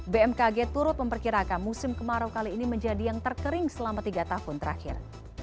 bmkg turut memperkirakan musim kemarau kali ini menjadi yang terkering selama tiga tahun terakhir